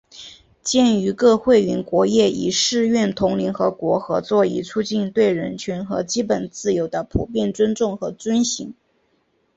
鉴于各会员国业已誓愿同联合国合作以促进对人权和基本自由的普遍尊重和遵行